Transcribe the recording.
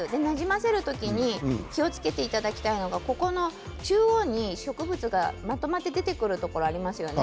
その時に気をつけていただきたいのが中央に植物が、まとまって出てくるところがありますよね